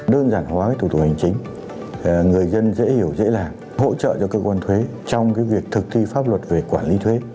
đơn giản hóa thủ tục hành chính người dân dễ hiểu dễ làm hỗ trợ cho cơ quan thuế trong việc thực thi pháp luật về quản lý thuế